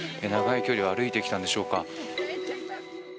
長い距離を歩いてきたんでしょうか。